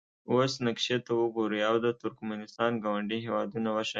اوس نقشې ته وګورئ او د ترکمنستان ګاونډي هیوادونه وښایاست.